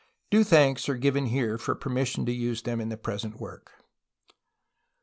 Due thanks are here given for permission to use them in the present work.